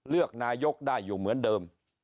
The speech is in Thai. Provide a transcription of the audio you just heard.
เลือกนายกได้อยู่เหมือนเดิม